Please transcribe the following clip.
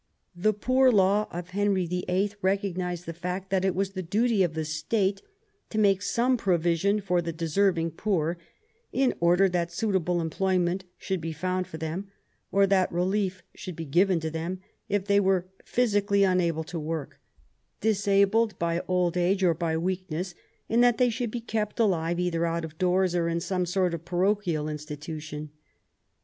The poor law of Henry the Eighth recognized the fact that it was the duty of the state to make some provision for the deserving poor in order that suitable employ ment should be found for them, or that relief should be given to them if they were physically unable to work, disabled by old age or by weakness, and that they should be kept alive either out of doors or in some sort of parochial institution.